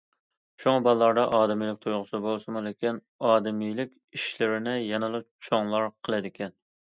شۇڭا بالىلاردا ئادىمىيلىك تۇيغۇسى بولسىمۇ، لېكىن ئادىمىيلىك ئىشلىرىنى يەنىلا چوڭلار قىلىدىكەن.